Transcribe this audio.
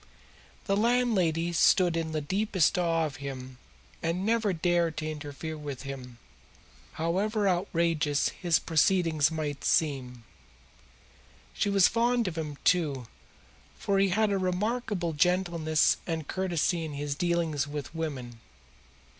The landlady stood in the deepest awe of him and never dared to interfere with him, however outrageous his proceedings might seem. She was fond of him, too, for he had a remarkable gentleness and courtesy in his dealings with women.